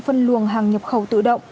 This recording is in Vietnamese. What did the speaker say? phân luồng hàng nhập khẩu tự động